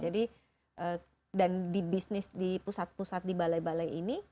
dan di bisnis di pusat pusat di balai balai ini